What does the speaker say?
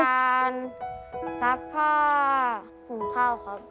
ทำจานซักผ้าหุงข้าวครับ